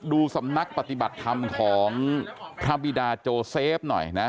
ดูสำนักปฏิบัติธรรมของพระบิดาโจเซฟหน่อยนะ